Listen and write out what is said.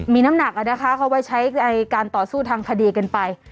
มีน้ำหนักนะคะเขาไว้ใช้การต่อสู้ทางคดีกันไป